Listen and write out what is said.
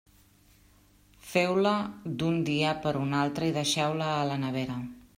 Feu-la d'un dia per a un altre i deixeu-la a la nevera.